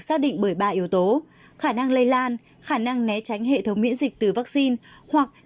xác định bởi ba yếu tố khả năng lây lan khả năng né tránh hệ thống miễn dịch từ vaccine hoặc